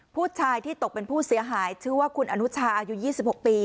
ผู้ชายที่ตกเป็นผู้เสียหายชื่อว่าคุณอนุชาอายุ๒๖ปี